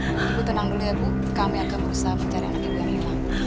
ibu tenang dulu ya bu kami agak berusaha mencari anak ibu yang hilang